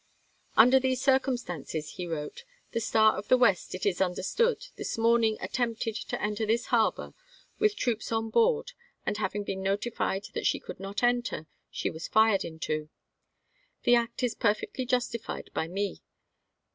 " Under these circumstances," he wrote, " the Star of the West, it is understood, this morning at tempted to enter this harbor with troops on board, and having been notified that she could not enter, she was fired into. The act is perfectly justified by me.